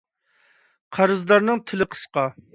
قەرزدارنىڭ تىلى قىسقا.